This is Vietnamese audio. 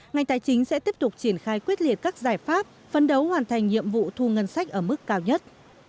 ngành tài chính sẽ tiếp tục triển khai quyết liệt các giải pháp phân đấu hoàn thành nhiệm vụ thu ngân sách ở mức cao nhất